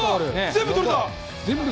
全部取れた？